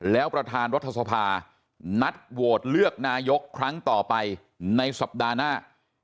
แล้วประธานรัฐสภานัดโหวตเลือกนายกครั้งต่อไปในสัปดาห์หน้า